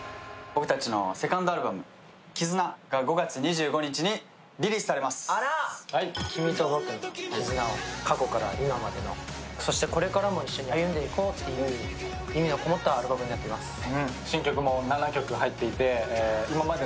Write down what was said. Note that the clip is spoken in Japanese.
僕たちのセカンドアルバム「絆」が５月２５日にリリースされます君と僕の絆を、過去から今までもそしてこれからも一緒に歩んでいこうという意味のこもったアルバムになっています。